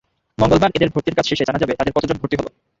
মঙ্গলবার এদের ভর্তির কাজ শেষে জানা যাবে তাদের কতজন ভর্তি হলো।